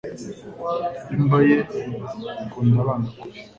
Imba ye ikunda abana kubi